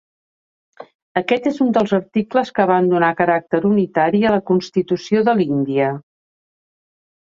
Aquest és un dels articles que van donar caràcter unitari a la Constitució de l'Índia.